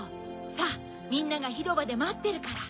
さぁみんながひろばでまってるから。